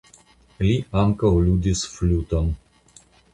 Li ankaŭ ludis fluton.